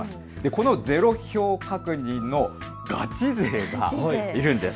このゼロ票確認のガチ勢がいるんです。